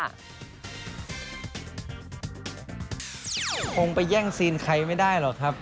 คงไปแย่งซีนใครไม่ได้หรอกครับ